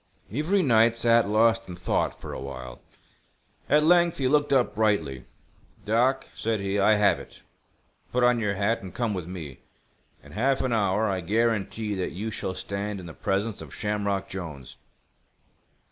Avery Knight, sat lost in thought for a while. At length he looked up brightly. "Doc," said he, "I have it. Put on your hat, and come with me. In half an hour I guarantee that you shall stand in the presence of Shamrock Jolnes."